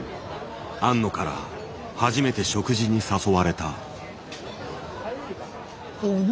庵野から初めて食事に誘われた。